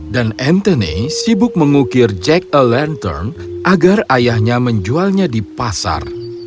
dan anthony sibuk mengukir jack o' lantern agar ayahnya menjualnya di pasar